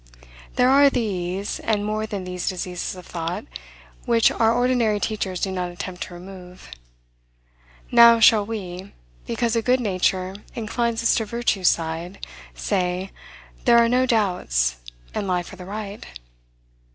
There are these, and more than these diseases of thought, which our ordinary teachers do not attempt to remove. Now shall we, because a good nature inclines us to virtue's side, say, There are no doubts, and lie for the right?